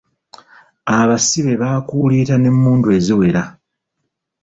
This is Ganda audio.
Abasibe baakuulita n'emmundu eziwera.